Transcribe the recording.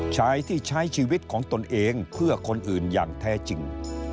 ชายที่ใช้ชีวิตของตนเองเพื่อคนอื่นอย่างแท้จริง